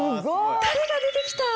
たれが出てきた。